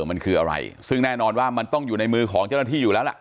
มันคืออะไรซึ่งแน่นอนว่ามันต้องอยู่ในมือของเจ้าหน้าที่อยู่แล้วล่ะ